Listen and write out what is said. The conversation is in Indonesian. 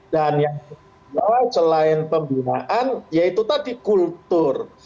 dan yang diperlukan selain pembinaan yaitu tadi kultur